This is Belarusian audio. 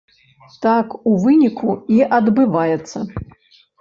Так у выніку і адбываецца.